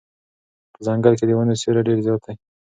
په ځنګل کې د ونو سیوری ډېر زیات دی.